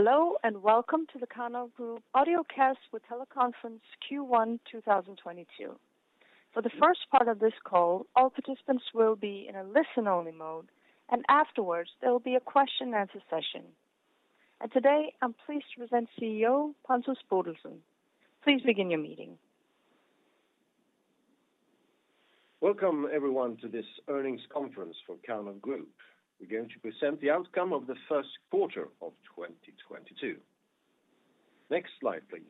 Hello, and welcome to the Karnov Group Audiocast with Teleconference Q1 2022. For the first part of this call, all participants will be in a listen-only mode, and afterwards, there will be a question and answer session. Today, I'm pleased to present CEO Pontus Bodelsson. Please begin your meeting. Welcome everyone to this earnings conference for Karnov Group. We're going to present the outcome of the first quarter of 2022. Next slide, please.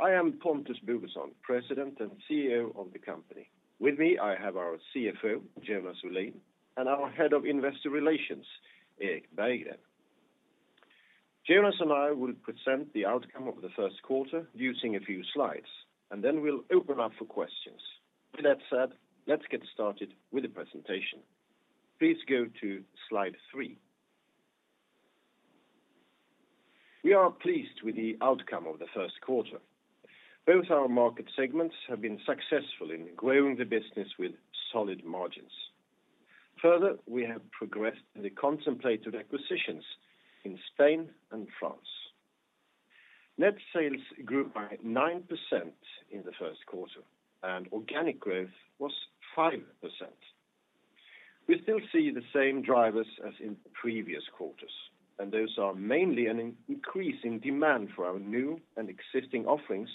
I am Pontus Bodelsson, President and CEO of the company. With me, I have our CFO, Jonas Olin, and our head of investor relations, Erik Berggren. Jonas and I will present the outcome of the first quarter using a few slides, and then we'll open up for questions. With that said, let's get started with the presentation. Please go to slide three. We are pleased with the outcome of the first quarter. Both our market segments have been successful in growing the business with solid margins. Further, we have progressed in the contemplated acquisitions in Spain and France. Net sales grew by 9% in the first quarter, and organic growth was 5%. We still see the same drivers as in previous quarters, and those are mainly an increasing demand for our new and existing offerings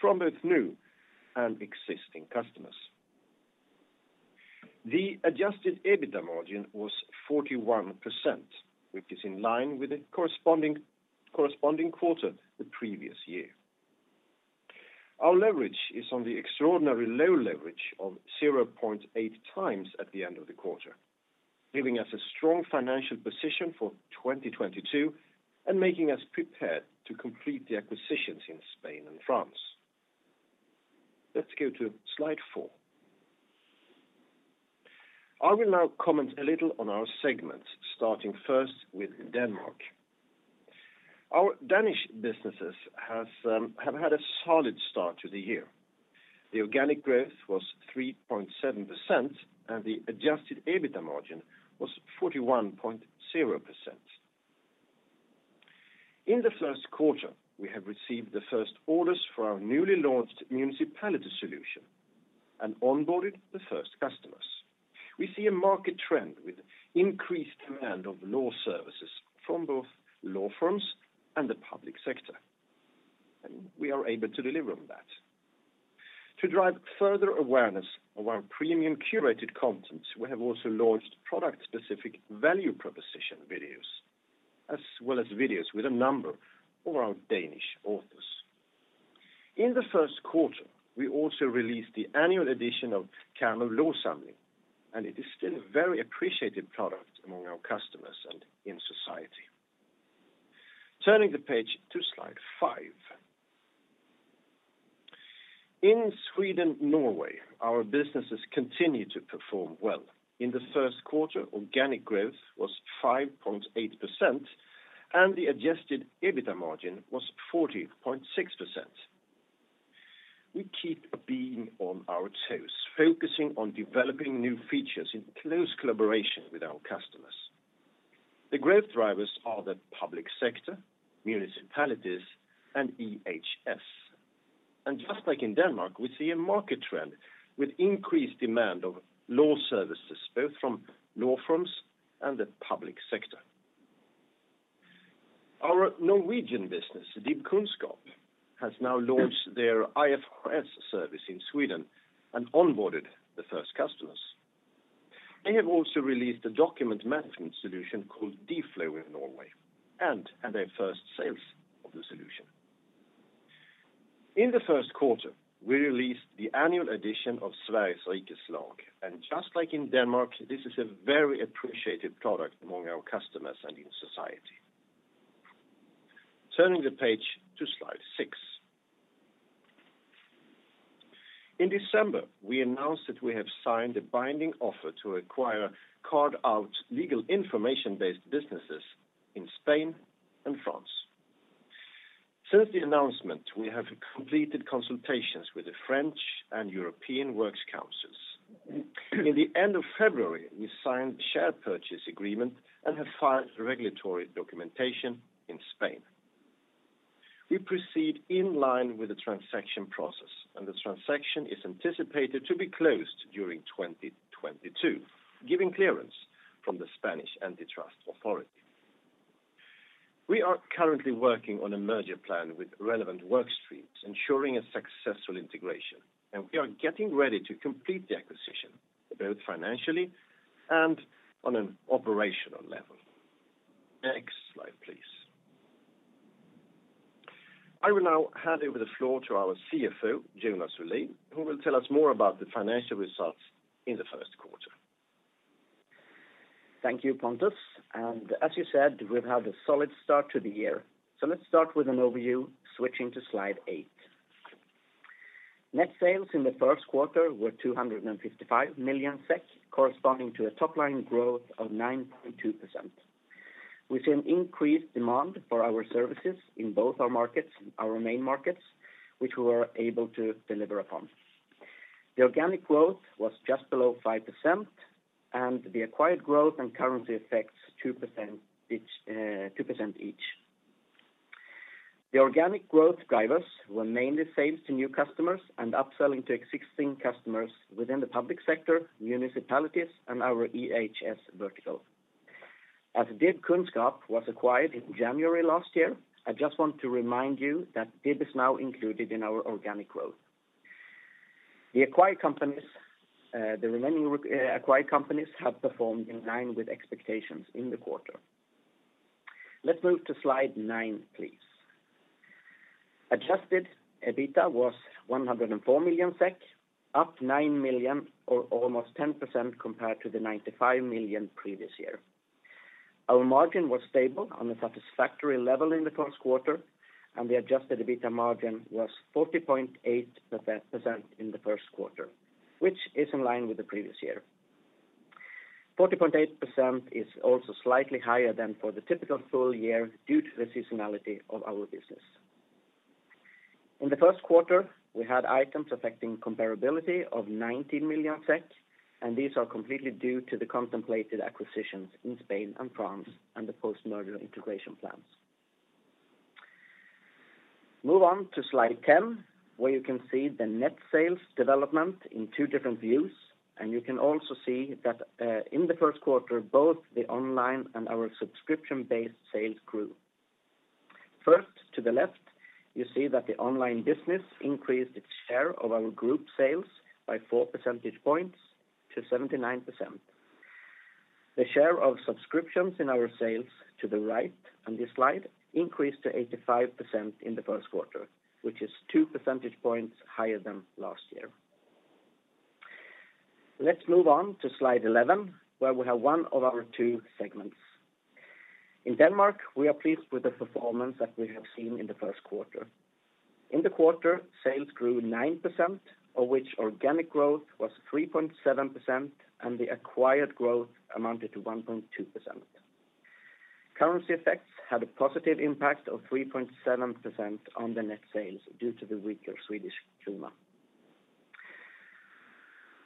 from both new and existing customers. The adjusted EBITDA margin was 41%, which is in line with the corresponding quarter the previous year. Our leverage is on the extraordinary low leverage of 0.8x at the end of the quarter, giving us a strong financial position for 2022 and making us prepared to complete the acquisitions in Spain and France. Let's go to slide four. I will now comment a little on our segments, starting first with Denmark. Our Danish businesses have had a solid start to the year. The organic growth was 3.7%, and the adjusted EBITDA margin was 41.0%. In the first quarter, we have received the first orders for our newly launched municipality solution and onboarded the first customers. We see a market trend with increased demand of law services from both law firms and the public sector, and we are able to deliver on that. To drive further awareness of our premium curated content, we have also launched product-specific value proposition videos as well as videos with a number of our Danish authors. In the first quarter, we also released the annual edition of Karnovs Lovsamling, and it is still a very appreciated product among our customers and in society. Turning the page to slide five. In Sweden, Norway, our businesses continue to perform well. In the first quarter, organic growth was 5.8%, and the adjusted EBITDA margin was 40.6%. We keep being on our toes, focusing on developing new features in close collaboration with our customers. The growth drivers are the public sector, municipalities, and EHS. Just like in Denmark, we see a market trend with increased demand of law services, both from law firms and the public sector. Our Norwegian business, DIBkunnskap, has now launched their IFRS service in Sweden and onboarded the first customers. They have also released a document management solution called DFlow in Norway and had their first sales of the solution. In the first quarter, we released the annual edition of Sveriges Rikes Lag. Just like in Denmark, this is a very appreciated product among our customers and in society. Turning the page to slide six. In December, we announced that we have signed a binding offer to acquire carve-out legal information-based businesses in Spain and France. Since the announcement, we have completed consultations with the French and European Works Councils. At the end of February, we signed the share purchase agreement and have filed regulatory documentation in Spain. We proceed in line with the transaction process, and the transaction is anticipated to be closed during 2022, giving clearance from the Spanish antitrust authority. We are currently working on a merger plan with relevant work streams, ensuring a successful integration, and we are getting ready to complete the acquisition, both financially and on an operational level. Next slide, please. I will now hand over the floor to our CFO, Jonas Olin, who will tell us more about the financial results in the first quarter. Thank you, Pontus. As you said, we've had a solid start to the year. Let's start with an overview, switching to slide 8. Net sales in the first quarter were 255 million SEK, corresponding to a top-line growth of 9.2%. We've seen increased demand for our services in both our markets, our main markets, which we were able to deliver upon. The organic growth was just below 5% and the acquired growth and currency effects 2% each. The organic growth drivers were mainly sales to new customers and upselling to existing customers within the public sector, municipalities, and our EHS vertical. As DIBkunnskap was acquired in January last year, I just want to remind you that DIBkunnskap is now included in our organic growth. The acquired companies, the remaining re-acquired companies have performed in line with expectations in the quarter. Let's move to slide nine, please. Adjusted EBITDA was 104 million SEK, up 9 million, or almost 10% compared to the 95 million previous year. Our margin was stable on a satisfactory level in the first quarter, and the adjusted EBITDA margin was 40.8% in the first quarter, which is in line with the previous year. 40.8% is also slightly higher than for the typical full year due to the seasonality of our business. In the first quarter, we had items affecting comparability of 90 million SEK, and these are completely due to the contemplated acquisitions in Spain and France and the post-merger integration plans. Move on to slide 10, where you can see the net sales development in two different views, and you can also see that in the first quarter, both the online and our subscription-based sales grew. First, to the left, you see that the online business increased its share of our group sales by 4 percentage points to 79%. The share of subscriptions in our sales to the right on this slide increased to 85% in the first quarter, which is 2 percentage points higher than last year. Let's move on to slide 11, where we have one of our two segments. In Denmark, we are pleased with the performance that we have seen in the first quarter. In the quarter, sales grew 9%, of which organic growth was 3.7%, and the acquired growth amounted to 1.2%. Currency effects had a positive impact of 3.7% on the net sales due to the weaker Swedish krone.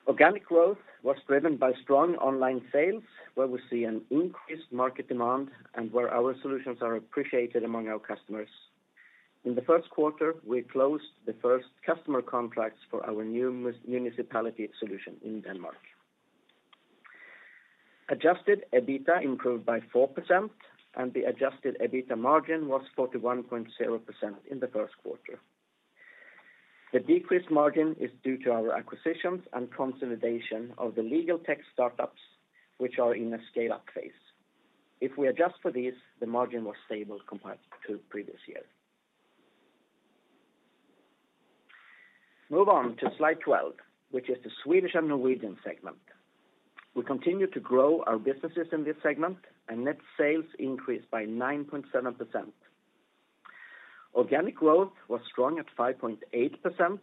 Organic growth was driven by strong online sales, where we see an increased market demand and where our solutions are appreciated among our customers. In the first quarter, we closed the first customer contracts for our new municipality solution in Denmark. Adjusted EBITDA improved by 4%, and the adjusted EBITDA margin was 41.0% in the first quarter. The decreased margin is due to our acquisitions and consolidation of the legal tech startups, which are in a scale-up phase. If we adjust for these, the margin was stable compared to previous year. Move on to slide 12, which is the Swedish and Norwegian segment. We continue to grow our businesses in this segment, and net sales increased by 9.7%. Organic growth was strong at 5.8%,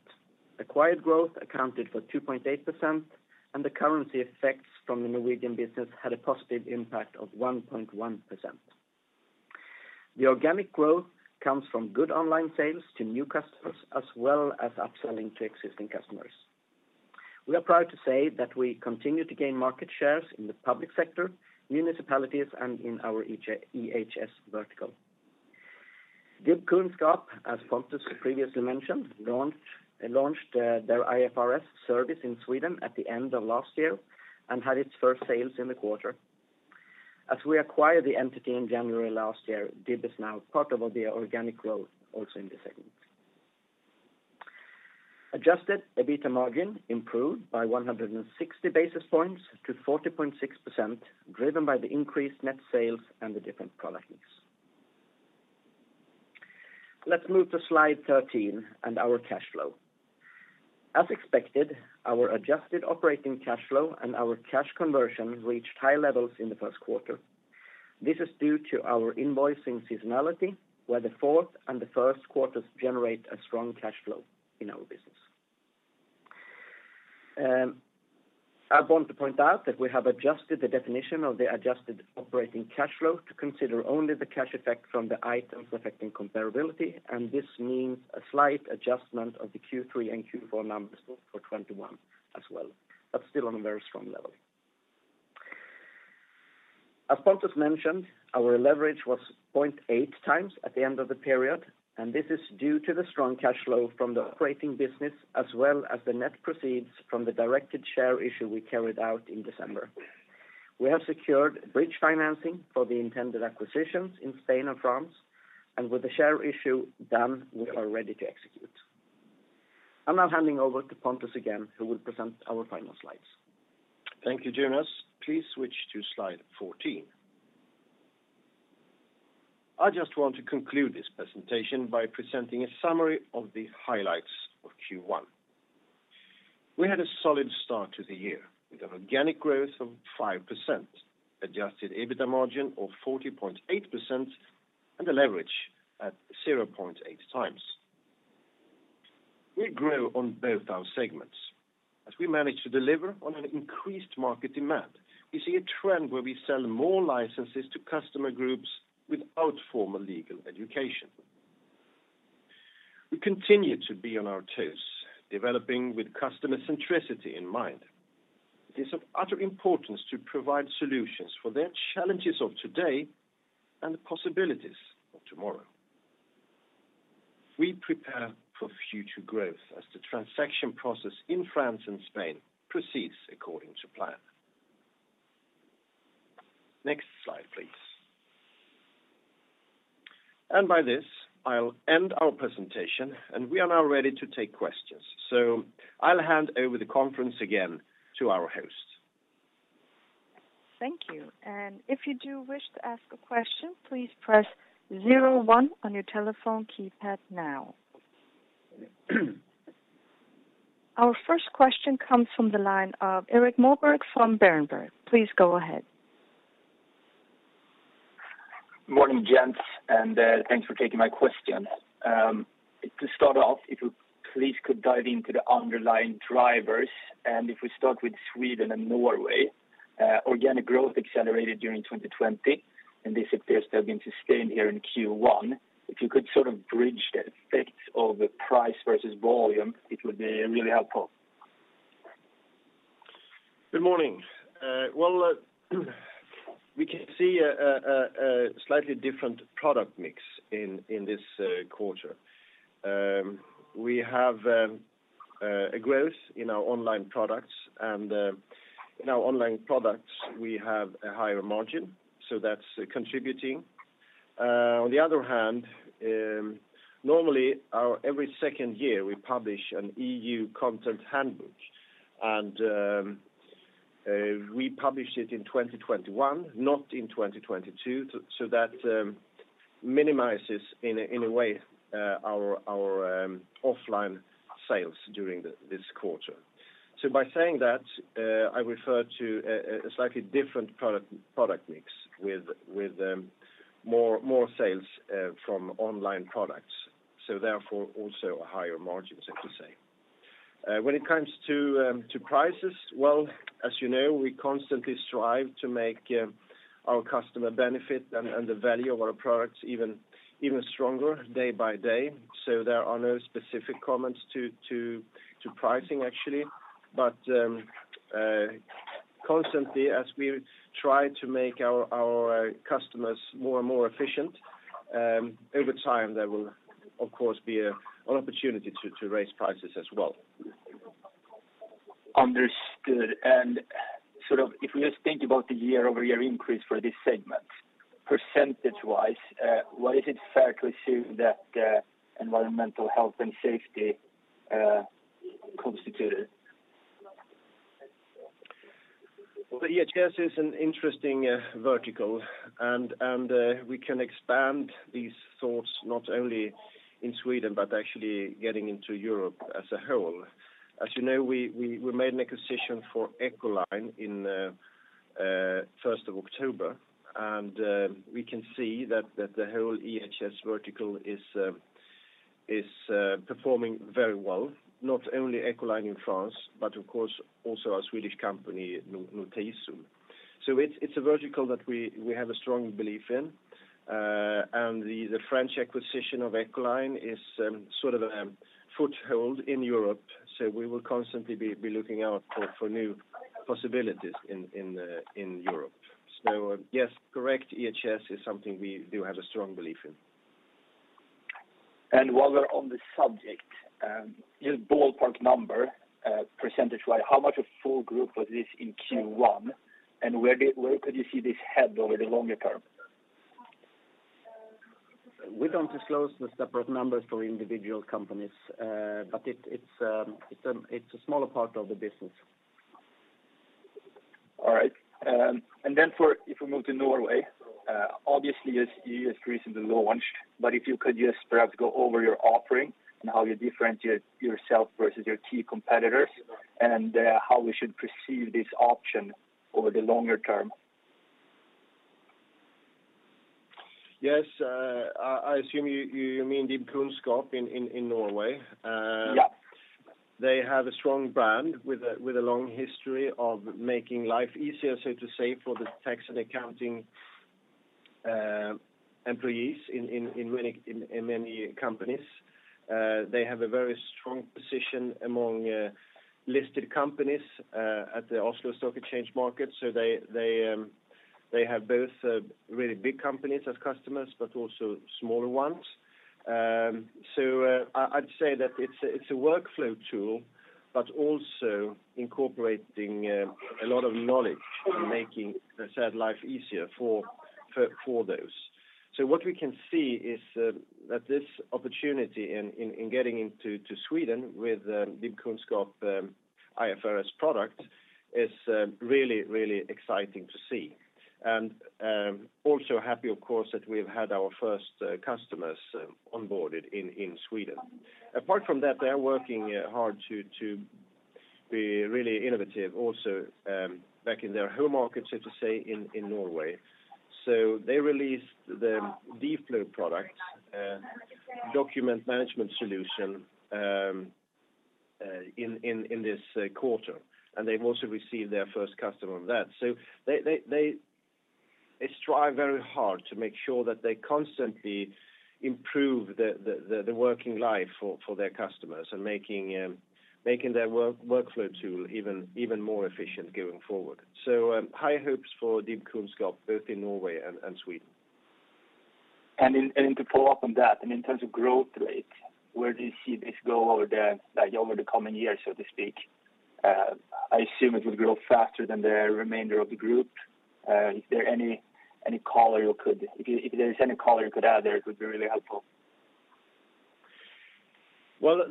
acquired growth accounted for 2.8%, and the currency effects from the Norwegian business had a positive impact of 1.1%. The organic growth comes from good online sales to new customers, as well as upselling to existing customers. We are proud to say that we continue to gain market shares in the public sector, municipalities, and in our EHS vertical. DIBkunnskap, as Pontus previously mentioned, launched their IFRS service in Sweden at the end of last year and had its first sales in the quarter. As we acquired the entity in January last year, DIBkunnskap is now part of the organic growth also in this segment. Adjusted EBITDA margin improved by 160 basis points to 40.6%, driven by the increased net sales and the different product mix. Let's move to slide 13 and our cash flow. As expected, our adjusted operating cash flow and our cash conversion reached high levels in the first quarter. This is due to our invoicing seasonality, where the fourth and the first quarters generate a strong cash flow in our business. I want to point out that we have adjusted the definition of the adjusted operating cash flow to consider only the cash effect from the items affecting comparability, and this means a slight adjustment of the Q3 and Q4 numbers for 2021 as well, but still on a very strong level. As Pontus mentioned, our leverage was 0.8x at the end of the period, and this is due to the strong cash flow from the operating business, as well as the net proceeds from the directed share issue we carried out in December. We have secured bridge financing for the intended acquisitions in Spain and France, and with the share issue done, we are ready to execute. I'm now handing over to Pontus again, who will present our final slides. Thank you, Jonas. Please switch to slide 14. I just want to conclude this presentation by presenting a summary of the highlights of Q1. We had a solid start to the year with an organic growth of 5%, adjusted EBITDA margin of 40.8%, and a leverage at 0.8x. We grow on both our segments. As we manage to deliver on an increased market demand, we see a trend where we sell more licenses to customer groups without formal legal education. We continue to be on our toes, developing with customer centricity in mind. It is of utter importance to provide solutions for their challenges of today and the possibilities of tomorrow. We prepare for future growth as the transaction process in France and Spain proceeds according to plan. Next slide, please. By this, I'll end our presentation, and we are now ready to take questions. I'll hand over the conference again to our host. Thank you. If you do wish to ask a question, please press zero one on your telephone keypad now. Our first question comes from the line of Erik Moberg from Berenberg. Please go ahead. Morning, gents, and thanks for taking my question. To start off, if you please could dive into the underlying drivers, and if we start with Sweden and Norway, organic growth accelerated during 2020, and this appears to have been sustained here in Q1. If you could sort of bridge the effects of the price versus volume, it would be really helpful. Good morning. We can see a slightly different product mix in this quarter. We have a growth in our online products, and in our online products, we have a higher margin, so that's contributing. On the other hand, normally every second year, we publish an EU content handbook, and we published it in 2021, not in 2022, that minimizes in a way our offline sales during this quarter. By saying that, I refer to a slightly different product mix with more sales from online products, so therefore also a higher margin, so to say. When it comes to prices, well, as you know, we constantly strive to make our customer benefit and the value of our products even stronger day by day. There are no specific comments to pricing actually. Constantly as we try to make our customers more and more efficient over time, there will of course be an opportunity to raise prices as well. Understood. Sort of if we just think about the year-over-year increase for this segment, percentage-wise, what is it fair to assume that, environmental health and safety, constituted? Well, EHS is an interesting vertical and we can expand these thoughts not only in Sweden but actually getting into Europe as a whole. As you know, we made an acquisition for Echoline in first of October, and we can see that the whole EHS vertical is performing very well, not only Echoline in France, but of course also our Swedish company, Notisum. It's a vertical that we have a strong belief in. And the French acquisition of Echoline is sort of foothold in Europe. We will constantly be looking out for new possibilities in Europe. Yes, correct, EHS is something we do have a strong belief in. While we're on the subject, just ballpark number, percentage-wise, how much of full group was this in Q1, and where could you see this head over the longer term? We don't disclose the separate numbers for individual companies, but it's a smaller part of the business. All right. If we move to Norway, obviously as you just recently launched, but if you could just perhaps go over your offering and how you differentiate yourself versus your key competitors and how we should perceive this option over the longer term. Yes. I assume you mean DIBkunnskap in Norway. Yeah. They have a strong brand with a long history of making life easier, so to say, for the tax and accounting employees in many companies. They have a very strong position among listed companies at the Oslo Stock Exchange. They have both really big companies as customers, but also smaller ones. I'd say that it's a workflow tool, but also incorporating a lot of knowledge and making, as I said, life easier for those. What we can see is that this opportunity in getting into Sweden with DIBkunnskap IFRS product is really exciting to see. Also happy, of course, that we've had our first customers onboarded in Sweden. Apart from that, they are working hard to be really innovative also back in their home markets, so to say, in Norway. They released the dflow product, document management solution, in this quarter, and they've also received their first customer on that. They strive very hard to make sure that they constantly improve the working life for their customers and making their workflow tool even more efficient going forward. High hopes for DIBkunnskap both in Norway and Sweden. To follow up on that, and in terms of growth rate, where do you see this go over the, like, over the coming years, so to speak? I assume it will grow faster than the remainder of the group. If there is any color you could add there, it would be really helpful. Well,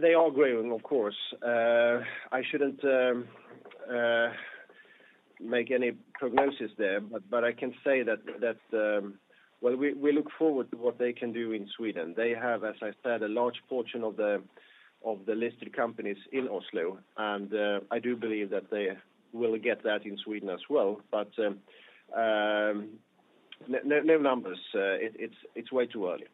they are growing, of course. I shouldn't make any prognosis there, but I can say that. Well, we look forward to what they can do in Sweden. They have, as I said, a large portion of the listed companies in Oslo, and I do believe that they will get that in Sweden as well. No numbers. It's way too early.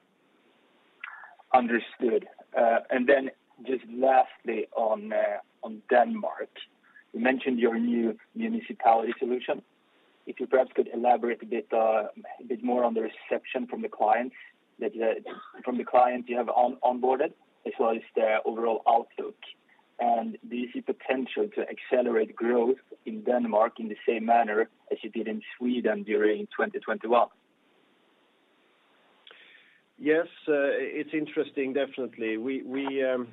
Understood. Then just lastly on Denmark. You mentioned your new municipality solution. If you perhaps could elaborate a bit more on the reception from the clients you have onboarded as well as their overall outlook. Do you see potential to accelerate growth in Denmark in the same manner as you did in Sweden during 2021? Yes, it's interesting, definitely. We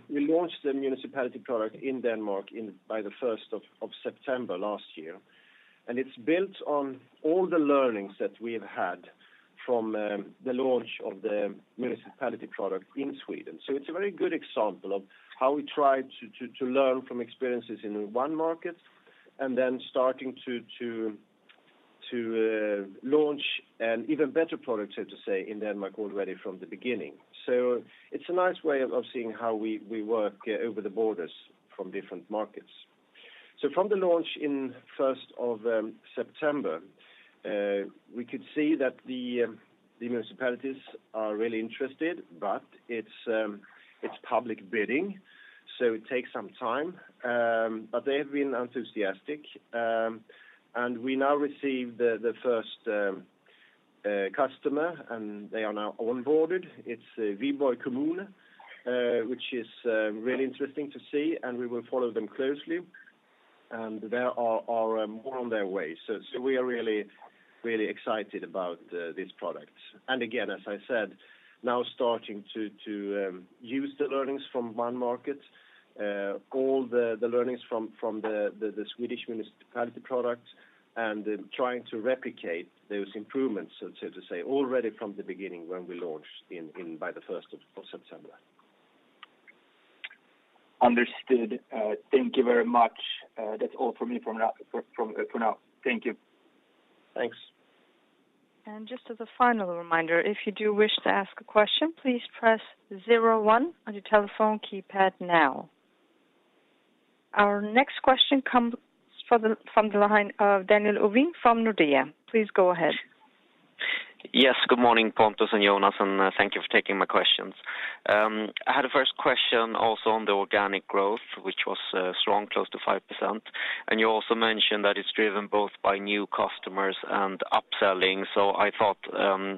launched the municipality product in Denmark by the first of September last year, and it's built on all the learnings that we have had from the launch of the municipality product in Sweden. It's a very good example of how we try to learn from experiences in one market and then starting to launch an even better product, so to say, in Denmark already from the beginning. It's a nice way of seeing how we work over the borders from different markets. From the launch in first of September, we could see that the municipalities are really interested, but it's public bidding, so it takes some time. But they have been enthusiastic. We now receive the first customer, and they are now onboarded. It's Viborg Kommune, which is really interesting to see, and we will follow them closely. There are more on their way. We are really excited about this product. Again, as I said, now starting to use the learnings from one market, all the learnings from the Swedish municipality product and trying to replicate those improvements so to say, already from the beginning when we launched by the first of September. Understood. Thank you very much. That's all for me for now. Thank you. Thanks. Just as a final reminder, if you do wish to ask a question, please press zero one on your telephone keypad now. Our next question comes from the line of Daniel Ovin from Nordea. Please go ahead. Yes. Good morning, Pontus and Jonas, and thank you for taking my questions. I had a first question also on the organic growth, which was strong, close to 5%. You also mentioned that it's driven both by new customers and upselling. I thought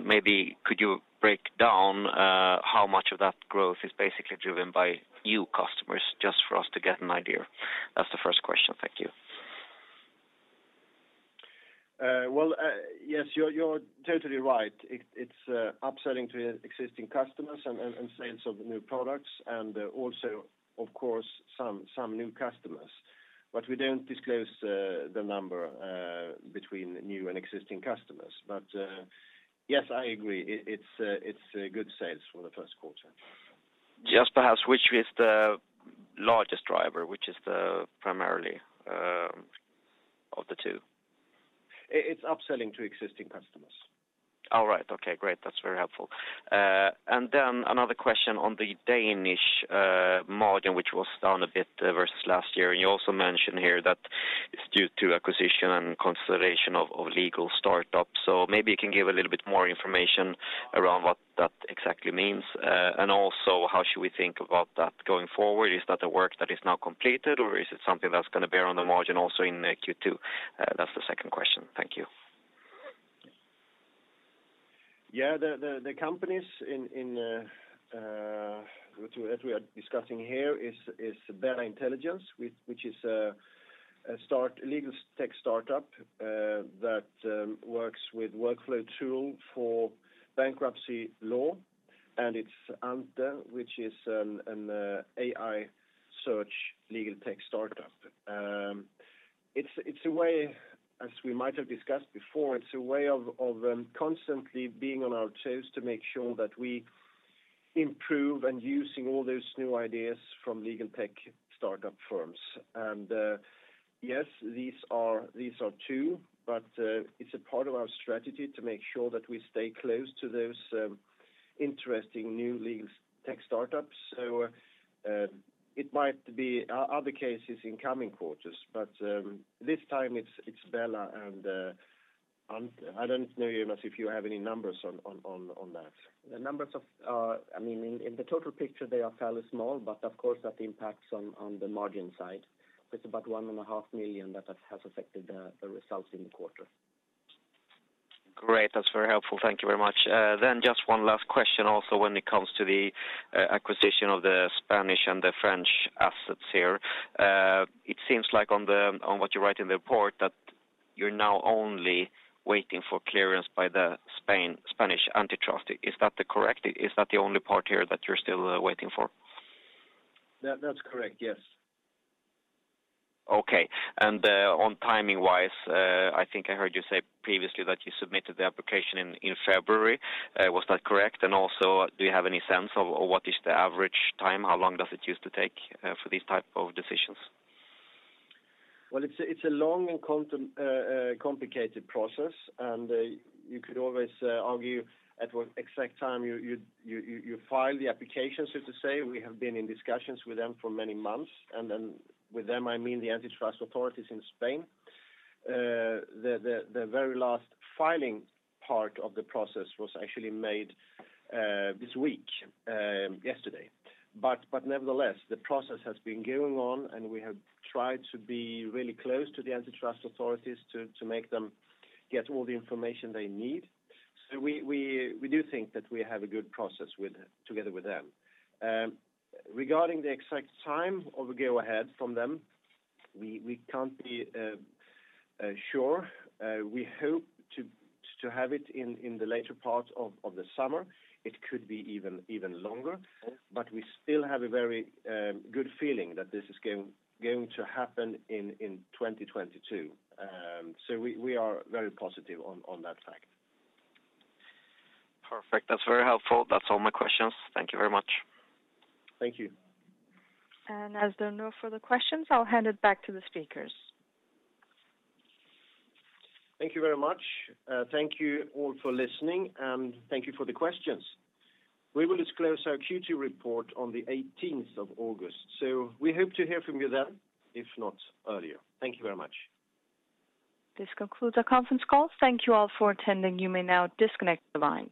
maybe could you break down how much of that growth is basically driven by new customers, just for us to get an idea? That's the first question. Thank you. Well, yes, you're totally right. It's upselling to existing customers and sales of new products and also, of course, some new customers. We don't disclose the number between new and existing customers. Yes, I agree. It's a good sales for the first quarter. Just perhaps which is the largest driver, which is the primarily, of the two? It's upselling to existing customers. All right. Okay, great. That's very helpful. Then another question on the Danish margin, which was down a bit versus last year. You also mentioned here that it's due to acquisition and consolidation of legal startups. Maybe you can give a little bit more information around what that exactly means. Also how should we think about that going forward? Is that the work that is now completed, or is it something that's gonna bear on the margin also in Q2? That's the second question. Thank you. Yeah. The companies in which we are discussing here is BELLA Intelligence, which is a legal tech startup that works with workflow tool for bankruptcy law, and it's Ante, which is an AI search legal tech startup. It's a way, as we might have discussed before, it's a way of constantly being on our toes to make sure that we improve and using all those new ideas from legal tech startup firms. Yes, these are two, but it's a part of our strategy to make sure that we stay close to those interesting new legal tech startups. It might be other cases in coming quarters, but this time it's BELLA and I don't know, Jonas, if you have any numbers on that. The numbers of, I mean, in the total picture, they are fairly small, but of course that impacts on the margin side. It's about one and a half million that has affected the results in the quarter. Great. That's very helpful. Thank you very much. Then just one last question also when it comes to the acquisition of the Spanish and the French assets here. It seems like on what you write in the report that you're now only waiting for clearance by the Spanish antitrust. Is that correct? Is that the only part here that you're still waiting for? That, that's correct, yes. Okay. On timing-wise, I think I heard you say previously that you submitted the application in February. Was that correct? Also, do you have any sense of what is the average time? How long does it usually take for these type of decisions? Well, it's a long and complicated process, and you could always argue at what exact time you file the application, so to say. We have been in discussions with them for many months. With them, I mean, the antitrust authorities in Spain. The very last filing part of the process was actually made this week, yesterday. Nevertheless, the process has been going on, and we have tried to be really close to the antitrust authorities to make them get all the information they need. We do think that we have a good process together with them. Regarding the exact time of a go ahead from them, we can't be sure. We hope to have it in the later part of the summer. It could be even longer, but we still have a very good feeling that this is going to happen in 2022. We are very positive on that fact. Perfect. That's very helpful. That's all my questions. Thank you very much. Thank you. As there are no further questions, I'll hand it back to the speakers. Thank you very much. Thank you all for listening, and thank you for the questions. We will disclose our Q2 report on the eighteenth of August. We hope to hear from you then, if not earlier. Thank you very much. This concludes our conference call. Thank you all for attending. You may now disconnect the lines.